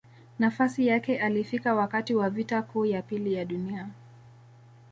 Nafasi yake alifika wakati wa Vita Kuu ya Pili ya Dunia.